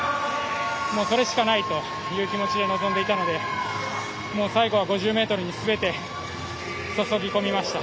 それしかないという気持ちで臨んでいたので最後は５０ｍにすべて注ぎ込みました。